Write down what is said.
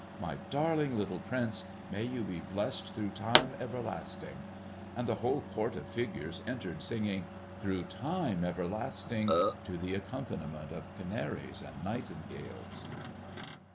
My darling little prince, may you be blessed through time everlasting!" And the whole court of figures entered, singing, "Through time everlasting!" to the accompaniment of canaries and nightingales.